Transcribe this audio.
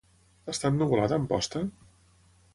Està ennuvolat a Amposta?